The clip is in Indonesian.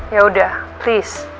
ya udah please